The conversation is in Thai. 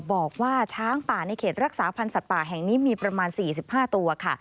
บอกว่าช้างป่าในเขตรักษาพันธ์สัตว์ป่าแห่งนี้มีประมาณ๔๕ตัวค่ะ